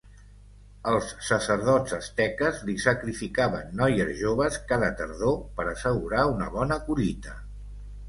Els sacerdots asteques li sacrificaven noies joves cada tardor per assegurar una bona collita.